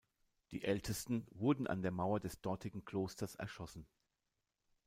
Die Ältesten wurden an der Mauer des dortigen Klosters erschossen.